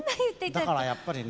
だからやっぱりね